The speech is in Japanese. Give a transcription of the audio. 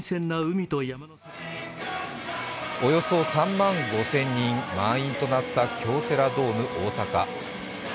およそ３万５０００人、満員となった京セラドーム大阪。